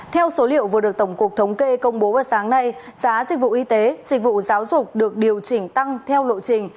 theo số liệu vừa được tổng cục thống kê công bố vào sáng nay giá dịch vụ y tế dịch vụ giáo dục được điều chỉnh tăng theo lộ trình